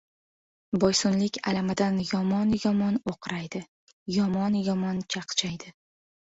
Boysunlik alamidan yomon-yomon o‘qraydi, yomon-yomon chaqchaydi.